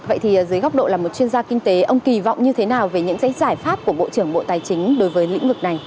vậy thì dưới góc độ là một chuyên gia kinh tế ông kỳ vọng như thế nào về những giải pháp của bộ trưởng bộ tài chính đối với lĩnh vực này